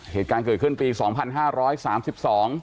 เหตุการณ์เกิดขึ้นปี๒๕๐๐ครับ